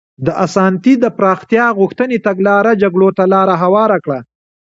د اسانتي د پراختیا غوښتنې تګلارې جګړو ته لار هواره کړه.